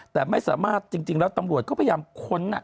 แต่ไม่สามารถจริงแล้วตำรวจก็พยายามค้น